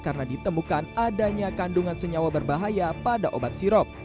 karena ditemukan adanya kandungan senyawa berbahaya pada obat sirop